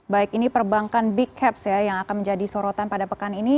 baik ini perbankan big caps ya yang akan menjadi sorotan pada pekan ini